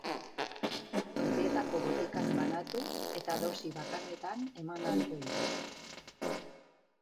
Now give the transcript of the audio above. Ontzietako botikak banatu eta dosi bakarretan eman ahalko dira.